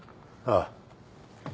ああ。